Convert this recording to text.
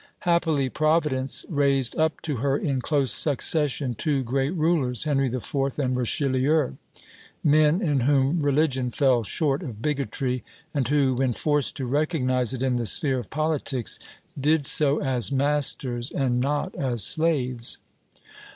Happily, Providence raised up to her in close succession two great rulers, Henry IV. and Richelieu, men in whom religion fell short of bigotry, and who, when forced to recognize it in the sphere of politics, did so as masters and not as slaves.